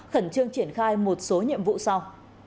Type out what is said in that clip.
khẩn trương triển khai một số nhiệm vụ sau